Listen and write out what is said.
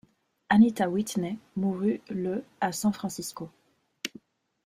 Anita Whitney mourut le à San Francisco.